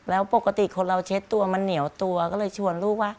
แล้วปกติคนเราเช็ดตัวมันเหนียวตัวก็เลยชวนลูกว่า